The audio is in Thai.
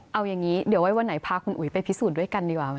เอาอย่างนี้เดี๋ยวไว้วันไหนพาคุณอุ๋ยไปพิสูจน์ด้วยกันดีกว่า